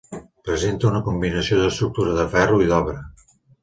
Presenta una combinació d'estructura de ferro i d'obra.